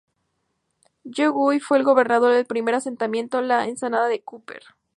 John Guy fue el gobernador del primer asentamiento en la ensenada de Cúper.